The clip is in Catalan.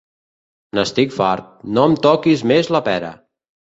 N'estic fart, no em toquis més la pera!